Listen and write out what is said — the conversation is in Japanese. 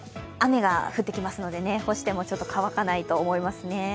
雨が降ってきますので、干しても乾かないと思いますね。